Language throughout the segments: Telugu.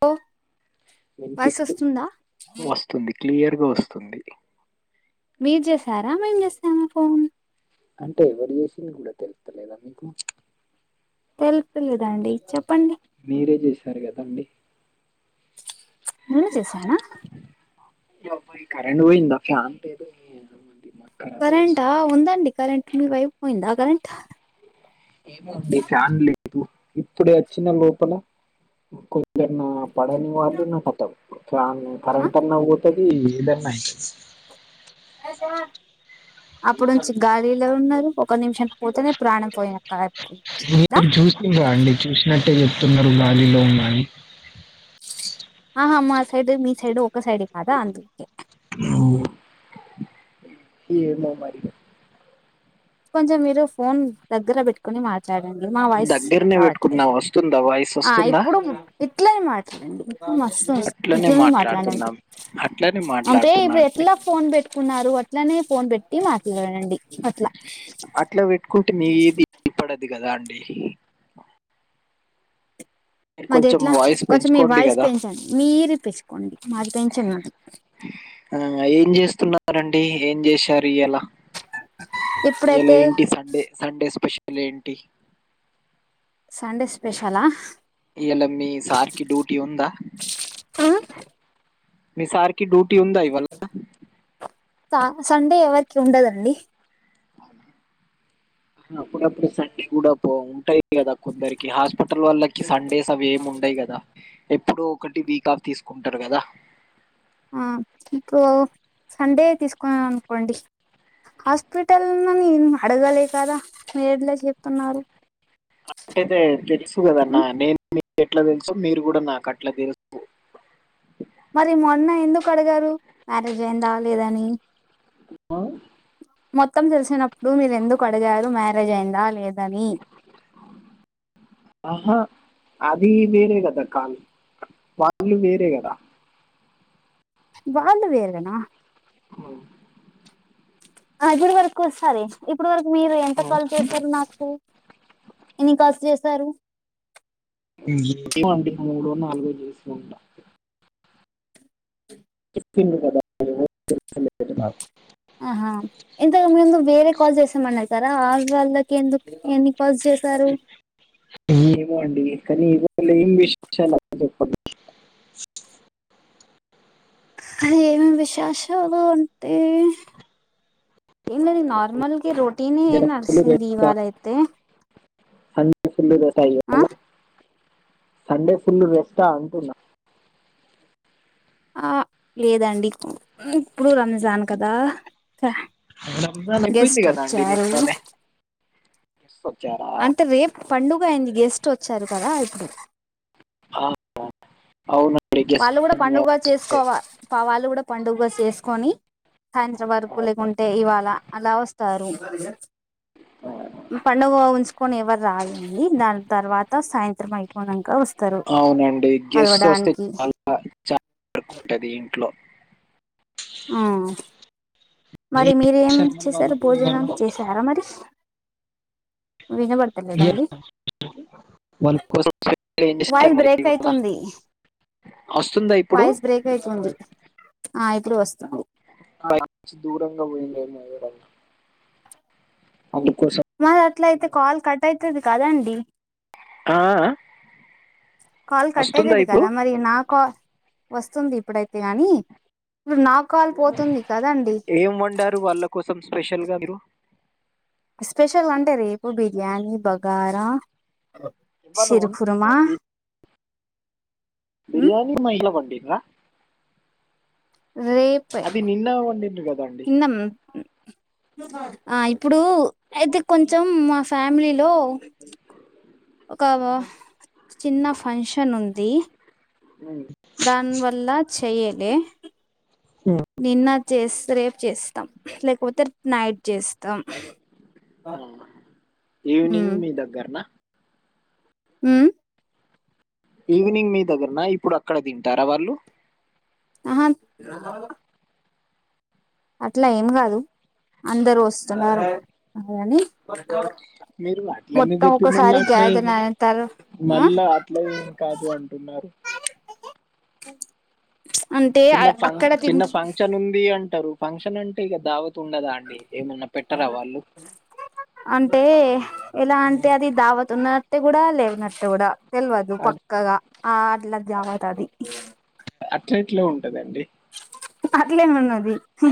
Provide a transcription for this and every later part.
హ వయసు వస్తుందా క్లియర్గా వస్తుంది మీరు చేశారా మేం చేసామా ఫోన్ అంటే ఎవరు చేసింది కూడా తెలుస్తలేదా మీకు తెలుపిలేదాండి చెప్పండి మీరే చేసారు కదండి నేనే చేసానా యబ్బా కరెంట్ పోయిందా ఫ్యాన్ లేదు మాకు ఖరాబ్ కరెంట్ ఆ ఉందండి కరెంటు. ఏ ఫ్యాన్ లేదు ఇప్పుడు వచ్చిన లోపల కొందరి నా పడని వాళ్ళు నమ్ముతావ్ చా ఆ? కరెంట్ అన్నా తుది ఏదన్ అప్పుడు నుంచి గాలిలో ఉన్నారు ఒక నిమిషం పోతేనే ప్రాణం పోయిన దా మీరు చూసం రాండి చూసినట్టే చెప్ పిల్లలు మరీలో [unintelligible] ఆహా మా సైడ్ మీ సైడ్ ఒక సైడ్ కాదా అందుకే మ్ ఈ ఏమో మరి కొంచెం మీరు ఫోన్ దగ్గర పెట్టుకొని మాట్లాడండి మాట్లాడండి మా వాయిస్ దగ్గరనే రావట్లే పెట్టుకున్నా వస్తుందా వాయిస్ ఆ వస్తుందా ఇప్పుడు ఇట్లనే మాట్లాడండి ఇప్పుడు మస్తు అట్లనే ఇట్లనే మాట్లాడండి మాట్లాడుతున్నాం అట్లనే అంటే మాట్లాడుతున్నా ఇప్పుడు అండి ఎట్లా ఫోన్ పెట్టుకున్నారు ఇట్లానే ఫోన్ పెట్టి మాట్లాడండి అట్లా అట్లా పెట్టుకుంటే మీ ఏది పడ ఇది కదా అండి మీరు మరి కొంచెం ఎట్లా వాయిస్ కొంచెం మీ పెంచుకోండి వాయిస్ కదా పెంచండి మీరు ఇప్పంచుకోండి మాది పెంచన్నది మరి అండి ఏం చేశారు ఇవాళ. ఇయ్యాల ఇప్పుడైతే ఏంటి సండే సండేపెషల్ లాంటి సండే స్పెషలా ఇవాళ మీ సార్ కి డ్యూటీ ఉందా. మీ సార్ డ్యూటీ ఉందా ఇవాళ సండే ఎవరు ఉండదండి. అప్పుడప్పుడు సండే కూడా పో ఉంటాయి కదా కొందరికి హాస్పిట హాస్పిటల్ వాళ్ళకి సండేస్ అవి ఏమి ఉండయి కదా ఎప్పుడు ఒకటి వీక్ ఆఫ్ తీసుకుంటారు కదా ఆ ఇప్పు సండే తీసుకున్నాను అనుకోండి హాస్పిటల్ని అడగలే కదా మీడ్లే చెప్తున్నారు అంటేతే తెలుసు కదన్నా ఉమ్, నేను ఎట్లా తెలుసు మీరు కూడా నాకు అట్లా తెలుసు మరి మొన్న ఎందుకు అడిగారు మ్యారేజ్ అయిందా లేదని ఆ మొత్తం తెలిసినప్పుడు మీరు ఎందుకు అడిగారు మ్యారేజ్ అయిందా లేదని ఆహా అది వేరే కద కాళు వాళ్ళు వేరే కద వాళ్ళు వేరేన అవు ఆజరు వరకు వస్తారే ఇప్పుడు వరకు మీరు ఎంత ఆ. కాల్ చేశారు నాకు ఎన్ని కాల్స్ చేసారు వండి మూడ నాలుగో జసు ఉంటా [unintelligible] ఆహా ఎంత వేర కాల్ చేసామని సారా ఆ వాళ్ళకి ఎందుకు ఎన్ని కాల్స్ చేశారు ఏమో అండి కానీ ఇవాళ ఏమి విషషయా అ చెప్ప అది ఏమి విశేషదు అంటే ఏది నార్మల్ ఇ రోటీని నేను నర్సి దివాలా ఇయితే సంల్ద అయ సండే ఫుల్ రెస్టా అంటున్న ఆ లేదండి ఇప్పుడు రంజాన్ కదా రంజన్ అయిపోయింది గెస్ట్ కదా అండి వచ్చారు నిన్న నే ఒక్ అంటే రేపు పండుగ అయింది గెస్ట్ వచ్చారు కదా ఇప్ ఆ అవునండి వాళ్ళు కూడ పండుగ చేసుకోవ వాళ్ళు కూడా పండుగ చేసుకొని సాయంత్ర వర్కు గెస్ట్ లేకు ఉంటే ఇవాళ అలా వస్ తరు పండగో కొని ఎవర్ రారు కొని దాన్ తర్వాత సాయంత మైకో నంక వస్ అవునండి గెస్ట్ వస్తే అల్ ఆ చాల వరకుంటది ఇంట్లో ఆ ఈ మరి మీరేం సంబంధం చేసరు వాళ్ళకు భోజనం ఇవ్వను. చేసారా మరి వినబడతలేదండి ఇయ్యను. వాళ్ళు కోసం ఏం చేస్తారు వాయిస్ మరి బ్రేక్ ఇవాళ అయితుంది వస్తుందా ఇప్పుడు వాయిస్ బ్రేక్ అయితుంది ఆ ఇప్పుడు వస్తుంది దూరంగా పోయి [unintelligible] [unintelligible] మరి అట్ల అయితే కాల్ కట్ అవుతది కదండి ఆఆ కాల్ కట్ ఐతది కద మరి నా కాల్ వస్తుంది ఇప్పుడైతే గానీ ఏం వండారు వాళ్ళ కోసం స్పెషల్గా మీరు స్పెషల్ వంటది రేపు బిర్యానీ బగారా ఇవాళ సిరుకుర్మ వండినా బి- బిర్యానీ మైల వండి ర రేప్ నిన్న వండిండ్రు కదండి ఇన్నం ఆ ఇప్పుడు అయితే కొంచెం మా ఫ్యామిలీలో ఒక చిన్న ఫంక్షన్ ఉం ది ఉమ్. దాని వల్ల చెయ్యలే నిన్న చేస్త రే చేస్తాం లేకపోతే నైట్ చేస్తాం ఆ ఈవినింగ్ మీ దగ్గరనా ఊ ఈవినింగ్ మీ దగ్గరనా ఇప్పుడు అక్కడ దింటారా వాళ్ళు అహ అట్లా ఏం గాదు అందరూ వస్తున్నారు [unintelligible] మీరు అట్లనే మొత్తం చెప్పి మళ్ళా ఒకసారి అట్లే గ్యాదర్ అయిన తర్వా ఆ మళ్ళా అట్ల ఏం కాదు అంటున్నారు అంటే చిన్న ఫన్ అక్కడ చిన్న తిన్ ఫంక్షన్ ఉంది అంటారు ఫంక్షన్ అంటే ఇగ దావత్ ఉండదా అండి ఏమన్నా పెట్టరా వాళ్ళు? అంటే ఎలా అంటే హ్మ్. అది దావత్ ఉన్న ట్టు గూడా లేవునట్టు గుడా తెల్వదు అట్ పక్కగా ఆ ఆడ్ల జావైతాది టెట్ట్లో ఉంటదండి అట్లే మన్నది హూ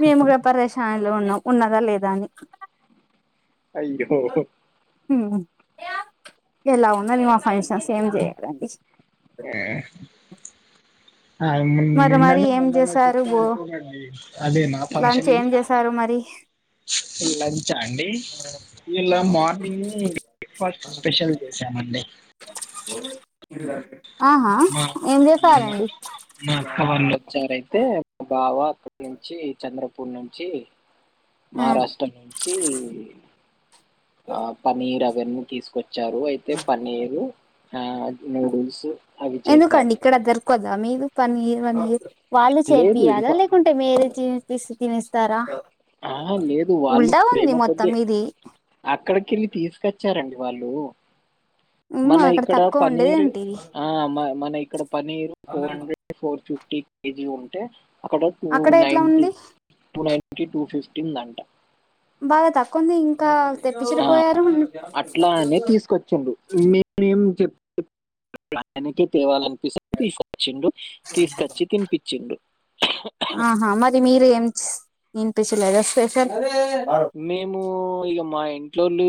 మేముగా పరేషాన్ లో ఉన్నా ఉన్నదా లేదా అని అయ్యో ఉమ్ ఎలా ఉందని మా ఫంక్షన్స్ ఏం చేయాలండి ఆ ఆయ్ మరి మరి నిన్ననో ఏం మొన్ననో చేసారు బో చెప్పారు చూడండి అదే నా లంచ్ ఫంక్షన్ ఇది ఏం చేసారు మరి లంచ్ ఆ అండి ఇలా మార్నింగ్ బ్రేక్ఫాస్ట్ స్పెషల్ చేసామండి ఆహా ఏం చేపారండి మా అక్క వాళ్ళోచ్చారైతే బా బావ [unintelligible] చి చంద్ర ప్పుడు నించి ఆ మారాష్ట్ర నుంచి ఆ పనీర్ తీసుకొచ్చ వచ్చారు అయితే పన్నీరు ఆ నూడిల్స్ అవి ఎందుకండి చేశారు ఇక్కడ దొరకుదా మీ ఇది పన్నీర్ పాన్ వాళ్ళు లేదు చేపియాలా ఇంకా లేకుంటే మీరే చేపి తినేస్తారా ఆ లేదు వాళ్ళు ప్రేమ మొత్తం కొద్దే ఇది అక్కడికి వెళ్ళి తీసుకొచ్చారండి వాళ్ళు ఏమో మన అక్కడ ఇక్కడ తక్కువ ఉండేది పన్నీర్ ఏంటిది మ మన ఇక్కడ paneer four hundred four fifty KG ఉంటే అక్కడ టూ ఎట్లా నైన్ టి ఉంది టూ నైన్ టూ ఫిఫ్టీ ఉందంట బాగా తక్కువ ఉంది ఇంకా ఆ, తెప్పించకపోయారు మీ మీ చెప్ పనికి తేవాలను తీసుకొచ్చిండు తీసుకొచ్చి తినిపిచ్చిండు ఆహా మరి మీరు ఏం వినిపించలేదా స్పెషల్ మేము ఇక మా ఇ ఇంట్లోను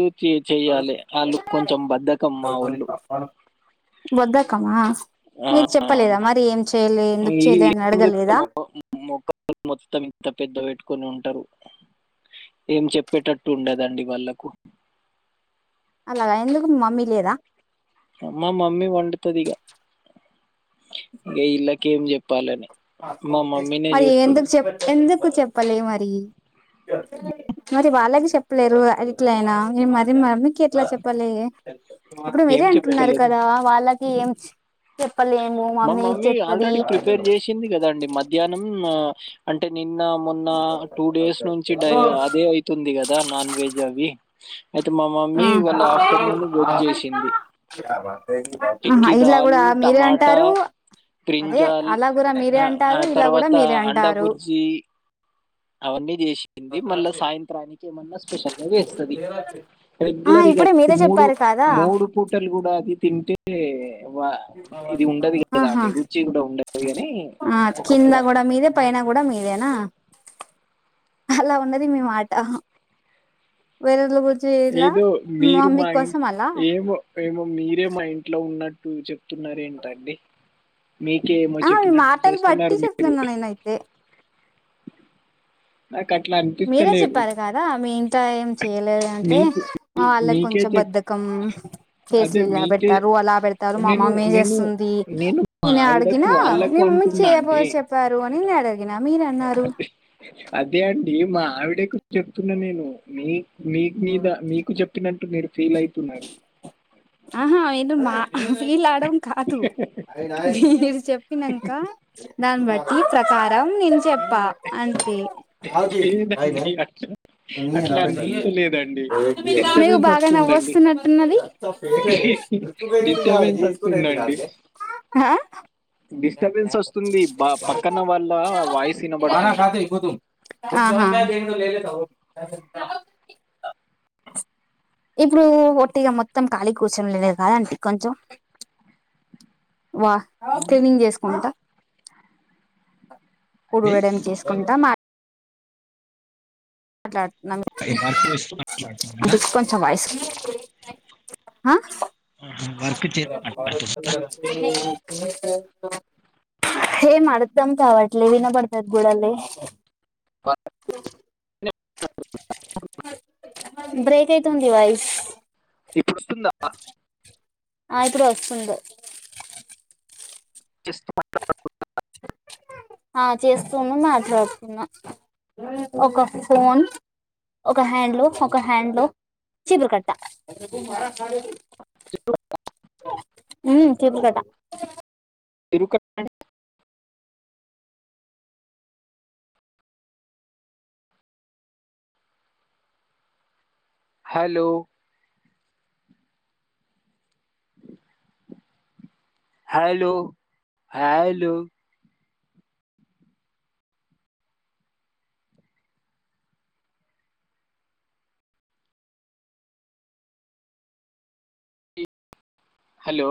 చెయ్యాలి వాళ్ళు కొంచెం బద్దకం మా ఒళ్ళు బద్దకమ మీరు చెప్పలేదా మరి ఏం చెయ్యలే ఎందుకు ఈ చేయలే అని ఏం చెప్తాం అడగలేదా మొ కొని ఉంటారు. ఏం చెప్పేటట్టు ఉండదండి వాళ్ళకు అలాగా ఎందుకు మీ మమ్మీ లేదా మా మమ్మీ వండుతుది ఇక ఇక వీళ్ళకి ఏం చెప్ పాలనే మరి ఎందుకు చెప్ ఎందుకు చెప్పలే మరి మరి వాళ్ళకి చెప్పలేరు ఎట్లయినా మరి మమ్మీ ఎట్లా చెప్పలే అప్పుడు మీరే ఏం అంటున్నారు చెప్పలేదు. కదా వాళ్ళకి ఏం చెప్పలేము మమ్మీ చేత్తది చ్చింది. కదాండి మధ్యాహ్నం ఆ అంటే నీ నిన్న మొన్న టూ డేస్ నుంచి డ అదే అయితుంది. కదా నాన్ వెజ్ అవి అయితే మా ఆ మమ్మీ ఇవాళ్ళ ఆఫ్టర్నూన్ వేజ్ జేసింది. ఆహా టిక్కీ ఇలా దాల్ కూడా మీరే టమాటా, అంటారు. అదే బ్రింజాల్ అలా కూడా మీరే ఆహ్, ఆ అంటారు. ఇలా కూడా తర్వాత మీరే అండా అంటారు. బుర్జీ అవన్నీ జేసింది. మళ్ళా సాయంత్రానికి ఏమన్నా స్పెషల్గా చేస్తది. ఆ రెగ్యులర్ ఇగ ఇప్పుడే మీరే మూడు చెప్పారు కదా మూడు పూటలు కూడా అది తింటే వ ఇది ఉండది. కదా ఆహా అండి రుచి కూడా ఉండది. ఆని ఒక పుట ఇదేనా అలా ఉన్నది మీ మాట వేరలో [unintelligible] ఏదో మీరు మా ఇంట్ ఏమో ఏమో మీరే మా ఇంట్లో ఉన్నట్ ట్టు చే తున్నారు ఏంటండి. మీకే ఏమో ఆ మీ చెప్పినట్టు మాటలు బట్టి చేస్తున్నారు మీరు చెప్పుతన్నా నేనైతే నా మీరే చెప్పారు. కదా మీ ఇం ట్ల ఏం చేయలేదు. అంటే మీకు మా మీ- వాళ్ళకి మీకే కొంచెం చెప్ బద్దకం ఫెసులు అదే ఇలా మీకే పెడతారు. అలా పెడతారు. మా నేను మమ్మీ ఏం నేను చేస్తుంది. నేను ఇగ మా నేను ఆవిడకు అడిగినా మీ వాళ్ళకు మమ్మీ అంటున్నా చేయపో అండి చెప్పారు. అని నేను అడిగిన మీరు అన్నారు అదే అండి మా ఆవిడేకు చెప్తున్నా నేను మీ మీ మీద మీకు చెప్పినట్టు మీరు ఫీయిల్ అయితున్నారు. ఫీల్ అ అవ్వడం కాదు మీరు చెపినంక దాన్ని బట్ మీ ప్రకారం నేను చెప్పా అంతే లేదండి అట్లా అట్లా అనిపిస్తలేదండి మీకు డిస్టర్బెన్స్ బాగా వస్తుందండి నవ్వొస్తునట్టున్నది. డిస్టర్బెన్స్ వస్తుందండి ఆ డిస్టర్బెన్స్ వస్తుంది బా- పక్కన వాళ్ళ వాయిస్ వినబడుతుంది ఆహా ఇప్పుడు ఒట్టిగా మొత్తం ఖాళీగా కూర్చొనిలేద కదండి. కొంచెం వా క్లీనింగ్ చేసుకుంటా అంటే ఊడవడం చేసుకుంటా మా మాట్లా నం వర్క్ చేస్తూ మాట్లాడుతున్నారా ఇటు కొంచెం ఐస్ ఆ వర్క్ చేస్తూ మాట్లాడుతున్నా ఎం అర్థం కావట్లే వినబడ్త గుడలే [inaudible] బ్రేక్ అయితుంది వాయిస్ ఇప్పుడు వస్తుందా ఆ ఇప్పుడు ఓస్తుంది చేస్తు [unintelligible] ఆ చేస్తుంది మాట్లాడుతున్నా ఒక ఫోన్ ఒక హ్యాండ్ ఒక హ్యాండ్లో చిపురికట్ట [unintelligible] ఉ చిపురికట్ట తిరుక [unintelligible] హలో హలో హలో హలో